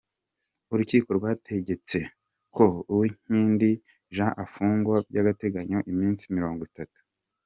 Urukiko rwategetse ko Uwinkindi Jean afungwa by’agateganyo iminsi Mirongo Itatu